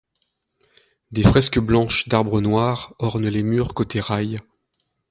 Des fresques blanches d’arbres noirs ornent les murs côté rails.